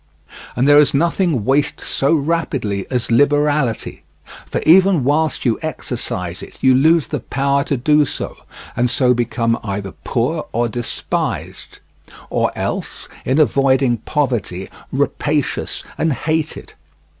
And there is nothing wastes so rapidly as liberality, for even whilst you exercise it you lose the power to do so, and so become either poor or despised, or else, in avoiding poverty, rapacious and hated.